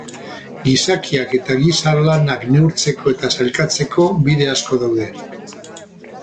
Gizakiak eta giza lanak neurtzeko eta sailkatzeko bide asko daude.